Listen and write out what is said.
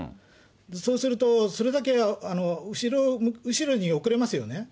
そうすると、それだけ後ろに遅れますよね。